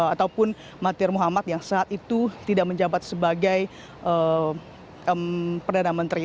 ataupun mahathir muhammad yang saat itu tidak menjabat sebagai perdana menteri